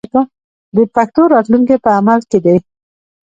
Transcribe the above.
د پښتو راتلونکی په عمل کې دی.